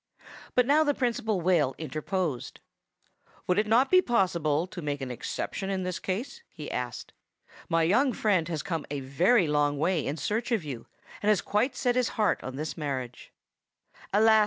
But now the Principal Whale interposed. "Would it not be possible to make an exception in this case?" he asked. "My young friend has come a very long way in search of you, and has quite set his heart on this marriage." "Alas!"